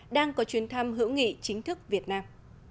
đang có chuyến thăm hữu nghị chính thức việt nam